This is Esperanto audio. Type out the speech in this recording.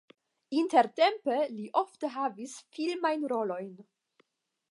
Intertempe li ofte havis filmajn rolojn.